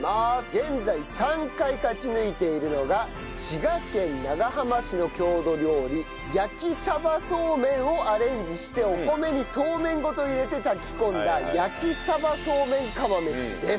現在３回勝ち抜いているのが滋賀県長浜市の郷土料理焼鯖そうめんをアレンジしてお米にそうめんごと入れて炊き込んだ焼鯖そうめん釜飯です。